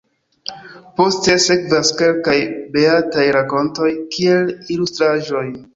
Poste sekvas kelkaj beataj rakontoj kiel ilustraĵoj.